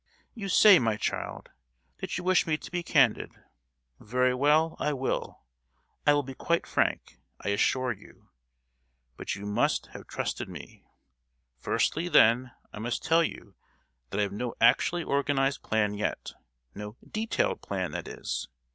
"You say, my child, that you wish me to be candid: very well, I will; I will be quite frank, I assure you. But you might have trusted me! Firstly, then, I must tell you that I have no actually organized plan yet—no detailed plan, that is.